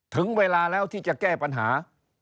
ถึงเวลาแล้วที่จะแก้ปัญหา